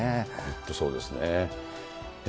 本当、そうですね。